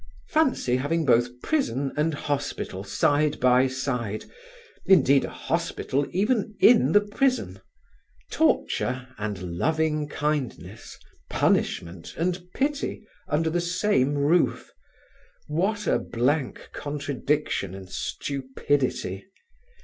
Fancy having both prison and hospital side by side; indeed a hospital even in the prison; torture and lovingkindness; punishment and pity under the same roof. What a blank contradiction and stupidity.